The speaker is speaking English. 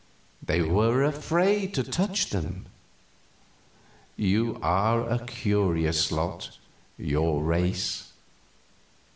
They were afraid to touch them. You are a curious lot your race.